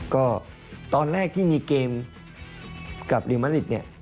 ก็ตอนแรกที่มีเกมกับเรียลมัตติด